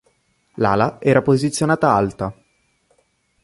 L'ala era posizionata alta.